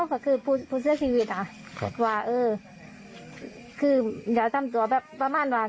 ก็คือผู้เสียชีวิตอ่ะครับว่าเออคืออย่าทำตัวแบบประมาณว่า